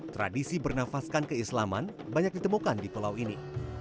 tradisi bernafaskan keislaman banyak ditemukan di pulau ini